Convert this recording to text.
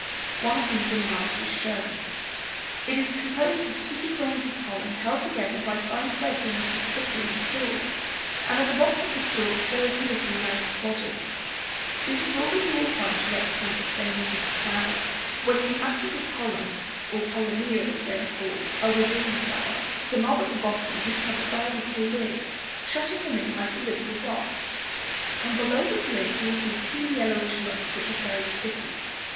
One of these enlarged is shown. It is composed of sticky grains of pollen held together by fine threads on the top of a thin stalk; and at the bottom of the stalk there is a little round body. This is all that you will find to represent the stamens of the flower. When these masses of pollen, or pollinia as they are called, are within the flower, the knob at the bottom is covered by a little lid, shutting them in like the lid of a box, and just below this lid you will see two yellowish lumps, which are very sticky.